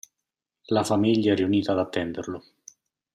La famiglia riunita ad attenderlo.